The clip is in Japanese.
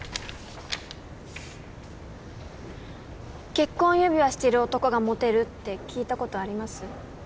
結婚指輪してる男がモテるって聞いたことあります？